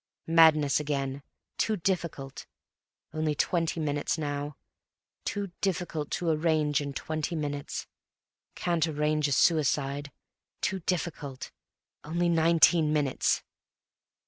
Madness again. Too difficult. (Only twenty minutes now.) Too difficult to arrange in twenty minutes. Can't arrange a suicide. Too difficult.... Only nineteen minutes....